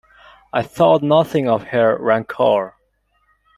I thought nothing of her rancour.